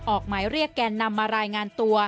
ออกหมายเรียกแกนนำมารายงานตัว